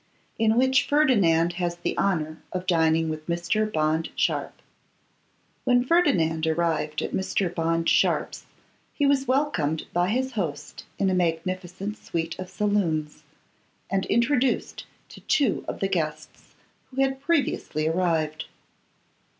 In Which Ferdinand Has the Honour of Dining with Mr. Bond Sharpe. WHEN Ferdinand arrived at Mr. Bond Sharpe's he was welcomed by his host in a magnificent suite of saloons, and introduced to two of the guests who had previously arrived.